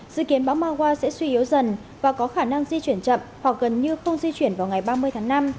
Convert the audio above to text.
dự kiến bão mawa sẽ suy yếu dần và có khả năng di chuyển chậm hoặc gần như không di chuyển vào ngày ba mươi tháng năm